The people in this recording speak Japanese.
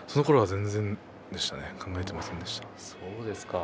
全然考えていませんでした。